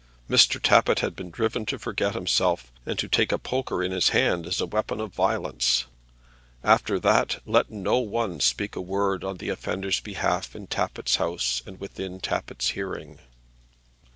Mr. Tappitt had been driven to forget himself, and to take a poker in his hand as a weapon of violence! After that let no one speak a word on the offender's behalf in Tappitt's house and within Tappitt's hearing!